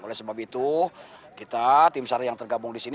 oleh sebab itu kita tim sar yang tergabung di sini